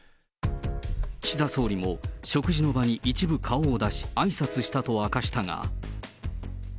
岸田総理も食事の場に一部顔を出し、あいさつしたと明かしたが。